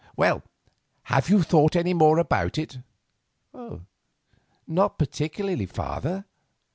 Well, have you thought any more about it?" "Not particularly, father.